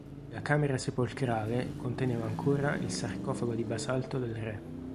La camera sepolcrale conteneva ancora il sarcofago di basalto del re.